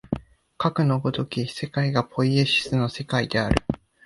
かくの如き世界がポイエシスの世界である。